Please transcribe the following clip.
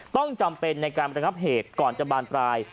ต้องจำเป็นในการระงับเหตุก่อนจะบานปลาย